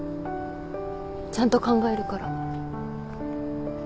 ちゃんと考えるから。